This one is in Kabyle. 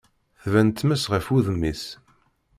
tban tmes ɣef wudem-is.